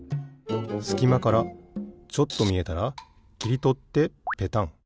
すきまからちょっとみえたらきりとってペタン。